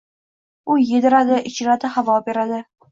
U yediradi, ichiradi, havo beradi.